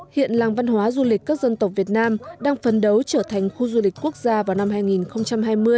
hiện làng văn hóa du lịch các dân tộc việt nam đang phấn đấu trở thành khu du lịch quốc gia vào năm hai nghìn hai mươi